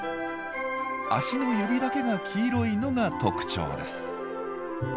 足の指だけが黄色いのが特徴です。